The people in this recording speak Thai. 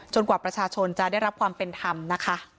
กว่าประชาชนจะได้รับความเป็นธรรมนะคะ